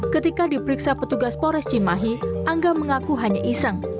ketika diperiksa petugas pores cimahi angga mengaku hanya iseng